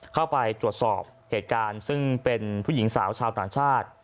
เข้าไปตรวจสอบเหตุการณ์ซึ่งเป็นผู้หญิงสาวชาวต่างชาติ